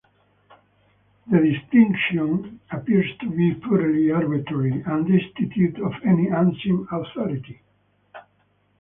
The distinction appears to be purely arbitrary and destitute of any ancient authority.